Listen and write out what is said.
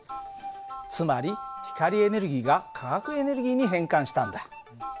つまり光エネルギーが化学エネルギーに変換したんだ。